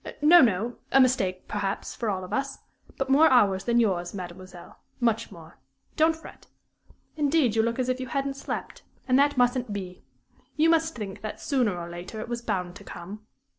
"No, no; a mistake, perhaps, for all of us; but more ours than yours, mademoiselle much more! Don't fret. Indeed, you look as if you hadn't slept, and that mustn't be. You must think that, sooner or later, it was bound to come.